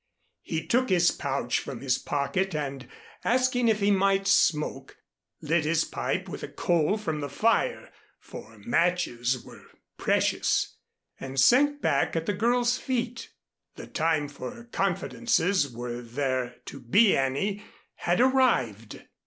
He took his pouch from his pocket, and asking if he might smoke, lit his pipe with a coal from the fire (for matches were precious) and sank back at the girl's feet. The time for confidences, were there to be any, had arrived.